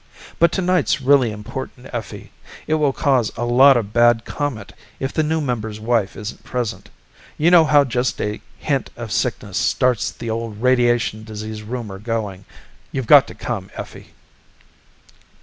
But tonight's really important, Effie. It will cause a lot of bad comment if the new member's wife isn't present. You know how just a hint of sickness starts the old radiation disease rumor going. You've got to come, Effie."